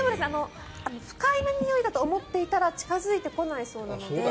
不快なにおいだと思っていたら近付いてこないそうなので。